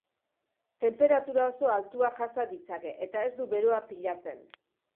Tenperatura oso altuak jasa ditzake eta ez du beroa pilatzen.